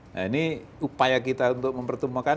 nah ini upaya kita untuk mempertemukan